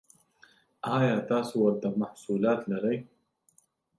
ایا تاسو ورته محصولات لرئ؟